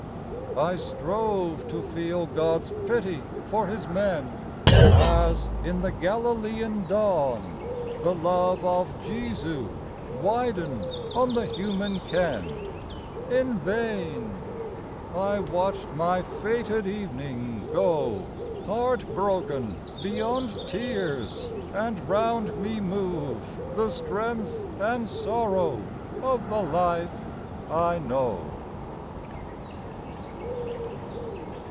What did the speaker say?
I strove to feel God's pity for His men, As, in the Galilean dawn, the love Of Jesu widened on the human ken : In vain ! I watched my fated evening go Heart broken beyond tears and round me move The strength and sorrow of the life I know.